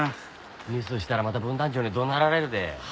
ミスしたらまた分団長に怒鳴られるで。